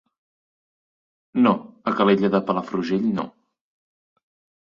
No, a Calella de Palafrugell no.